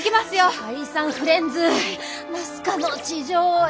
世界遺産フレンズナスカの地上絵。